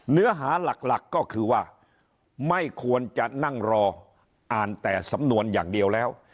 เนื้อหาหลักก็คือว่าไม่ควรจะนั่งรออ่านแต่สำนวนอย่างเดียวแล้ว